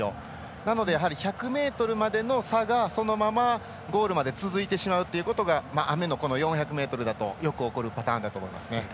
なので、１００ｍまでの差がそのままゴールまで続いてしまうということが雨の４００ｍだとよく起こることです。